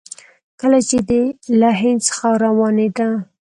کله چې دی له هند څخه روانېده.